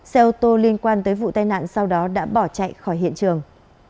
xe ô tô liên quan tới vụ tai nạn sau đó đã bỏ chạy khỏi hiện trường